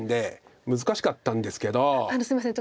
あのすいません